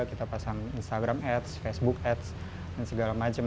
kita pasang instagram ads facebook ads dan segala macam